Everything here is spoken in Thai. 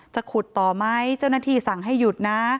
จะขุดต่อไหมเจ้าหน้าที่สั่งให้หยุดนะ